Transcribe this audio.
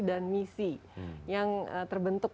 dan misi yang terbentuk